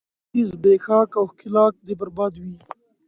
پانګواکي، زبېښاک او ښکېلاک دې برباد وي!